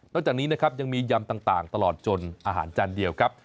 แล้วจากนี้นะครับยังมียำต่างตลอดจนอาหารจานเดียวครับ